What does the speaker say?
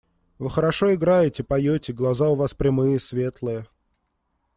– Вы хорошо играете, поете, глаза у вас прямые, светлые.